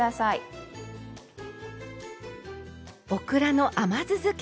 オクラの甘酢づけ。